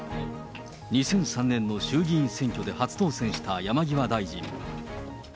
２００３年の衆議院選挙で初当選した山際大臣。